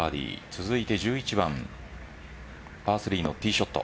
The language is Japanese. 続いて１１番パー３のティーショット。